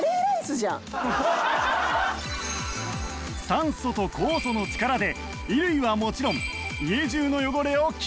酸素と酵素の力で衣類はもちろん家中の汚れをきれいに